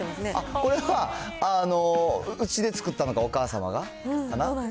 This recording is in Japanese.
これはうちで作ったのか、お母様が、かな？